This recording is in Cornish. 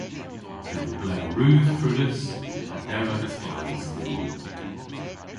Yma blew rudh krullys ha dewlagas glas dhyn.